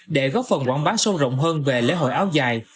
để góp phần quảng bá sâu rộng hơn về lễ hội áo dài